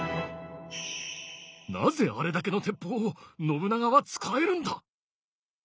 なぜあれだけの鉄砲を信長は使えるんだ。